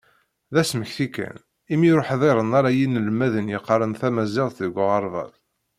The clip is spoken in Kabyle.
D asmekti kan, imi ur ḥḍiren ara yinelmaden yeqqaren tamaziɣt deg uɣerbaz.